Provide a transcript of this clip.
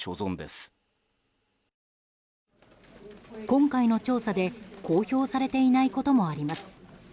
今回の調査で、公表されていないこともあります。